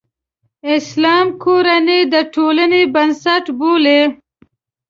اسلام کورنۍ د ټولنې بنسټ بولي.